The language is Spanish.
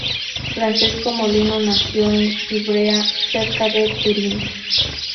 Francesco Molino nació en Ivrea, cerca de Turín.